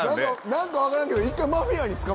何か分からんけど。